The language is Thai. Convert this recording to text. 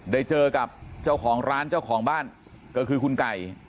ได้เจอกับเจ้าของร้านเจ้าของบ้านก็คือคุณไก่